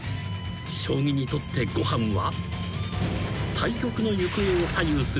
将棋にとってごはんは］